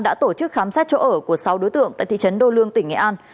đã tổ chức khám xét chỗ ở của sáu đối tượng tại thị trấn đô lương tỉnh nghệ an